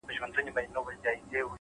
هره پرېکړه نوی مسیر جوړوي.!